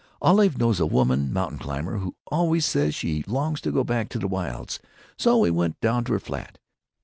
Olive knows a woman mountain climber who always says she longs to go back to the wilds, so we went down to her flat.